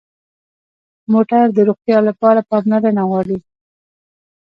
موټر د روغتیا لپاره پاملرنه غواړي.